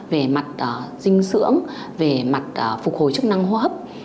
về mặt dinh dưỡng về mặt phục hồi chức năng hô hấp